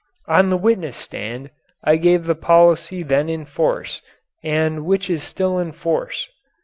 On the witness stand I gave the policy then in force and which is still in force.